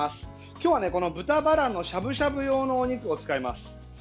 今日は豚バラのしゃぶしゃぶ用のお肉を使います。